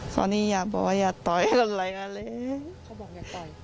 เพราะนี่อยากบอกว่าอย่าต่อยคนไรก็เลย